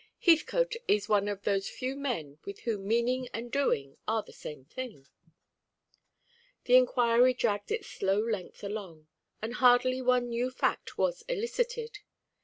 "Heathcote is one of those few men with whom meaning and doing are the same thing." The inquiry dragged its slow length along, and hardly one new fact was elicited.